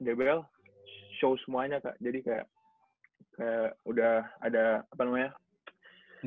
jadi kaya udah ada apa namanya